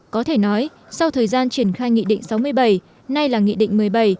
có thể nói sau thời gian triển khai nghị định sáu mươi bảy nay là nghị định một mươi bảy